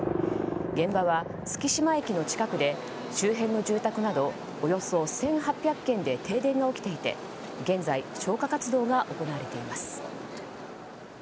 現場は月島駅の近くで周辺の住宅などおよそ１８００軒で停電が起きていて現在、消火活動が行われています。